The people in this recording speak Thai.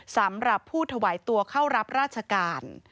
สำหรับผู้ถวายตัวเข้ารับราชการ